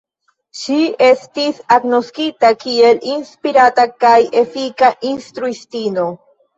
Ŝi estis agnoskita kiel inspirata kaj efika instruistino.